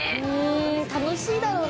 楽しいだろうな！